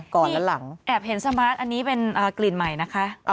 ก่อนและหลังแอบเห็นสมาร์ทอันนี้เป็นกลิ่นใหม่นะคะ